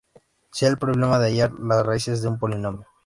Sea el problema de hallar las raíces de un polinomio.